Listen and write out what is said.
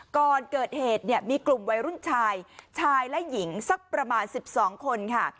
ก่อนเกิดเหตุเนี่ยมีกลุ่มวัยรุ่นชายชายและหญิงสักประมาณ๑๒คนค่ะ